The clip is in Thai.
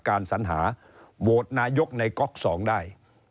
การสัญหาโบสถ์นายกในก๊อก๒ได้